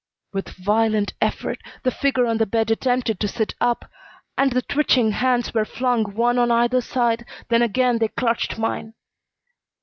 With violent effort, the figure on the bed attempted to sit up, and the twitching hands were flung one on either side, then again they clutched mine.